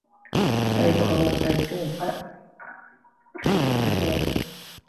তাই ক্ষমা চাহিতে আসিয়াছে।